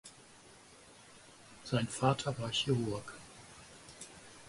Sein Vater war Chirurg.